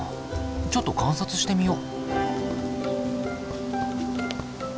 ちょっと観察してみよ！